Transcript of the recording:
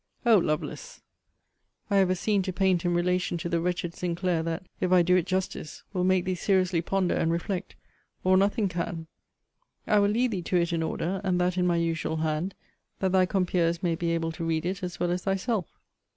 O Lovelace! I have a scene to paint in relation to the wretched Sinclair, that, if I do it justice, will make thee seriously ponder and reflect, or nothing can. I will lead thee to it in order; and that in my usual hand, that thy compeers may be able to read it as well as thyself.